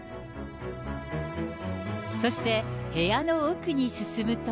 そして部屋の奥に進むと。